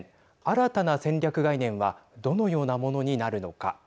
新たな戦略概念はどのようなものになるのか。